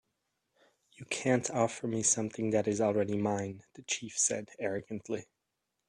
"You can't offer me something that is already mine," the chief said, arrogantly.